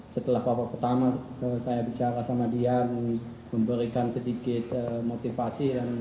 setelah babak pertama saya bicara sama dian memberikan sedikit motivasi